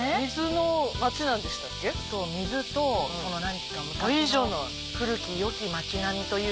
水と昔の古き良き町並みというか。